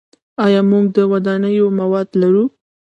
آیا موږ د ودانیو مواد لرو؟